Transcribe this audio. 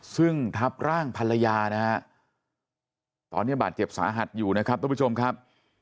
ซึ่งทับร่างภรรยานะฮะตอนนี้บาดเจ็บสาหัสอยู่นะครับทุกผู้ชมครับ